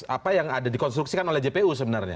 apa yang ada dikonstruksikan oleh jpu sebenarnya